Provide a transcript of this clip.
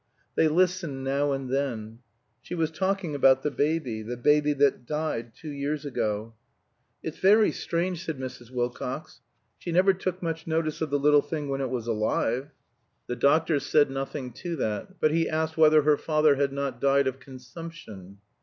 They listened now and then. She was talking about the baby, the baby that died two years ago. "It's very strange," said Mrs. Wilcox, "she never took much notice of the little thing when it was alive." The doctor said nothing to that; but he asked whether her father had not died of consumption.